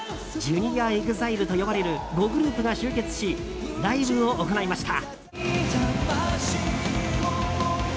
Ｊｒ．ＥＸＩＬＥと呼ばれる５グループが集結しライブを行いました。